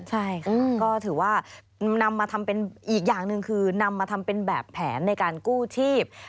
ใช่ค่ะก็ถือว่าอีกอย่างนึงคือนำมาทำเป็นแบบแผนในการกู้ทีบ